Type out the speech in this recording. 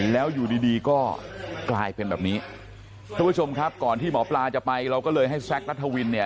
แล้วอยู่ดีดีก็กลายเป็นแบบนี้ทุกผู้ชมครับก่อนที่หมอปลาจะไปเราก็เลยให้แซคนัทวินเนี่ย